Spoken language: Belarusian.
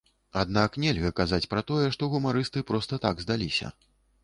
Аднак нельга казаць пра тое, што гумарысты проста так здаліся.